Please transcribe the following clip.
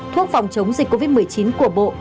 thuốc phòng chống dịch covid một mươi chín của bộ